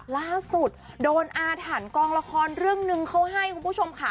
ล่าสุดโดนอาถรรพ์กองละครเรื่องนึงเขาให้คุณผู้ชมค่ะ